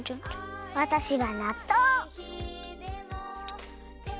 わたしはなっとう！